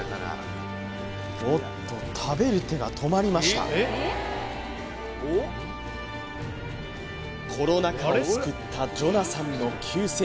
おっと食べる手が止まりましたコロナ禍を救ったジョナサンの救世